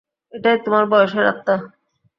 এটাই তোমার বয়সের আত্মা।